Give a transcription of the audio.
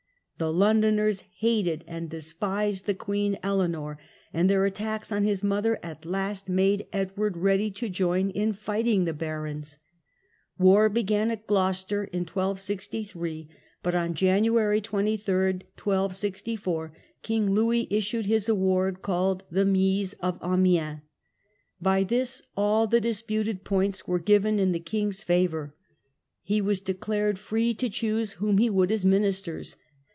The Londoners hated and despised the Queen Eleanor, and their attacks on his mother at last made Edward ready to join in fighting the barons. War began at Gloucester in 1263; but on January 23, 1264, King Louis issued his award, called the Mise The Mim of of Amiens, By this all the disputed points Amiens, 1264. were given in the king's favour. He was declared free to choose whom he would as ministers.